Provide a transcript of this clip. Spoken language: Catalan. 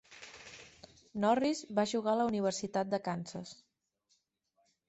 Norris va jugar a la Universitat de Kansas.